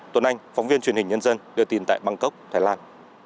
tuấn anh phóng viên truyền hình nhân dân đưa tin tại bangkok thái lan